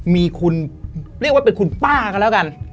มีคุณเรียกว่าเป็นคุณป้ากันแล้วกัน